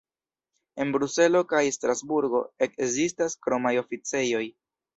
En Bruselo kaj Strasburgo ekzistas kromaj oficejoj.